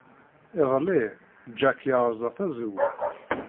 Iḍelli, Jake yerẓa tazewwut.